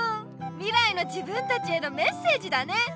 みらいの自分たちへのメッセージだね。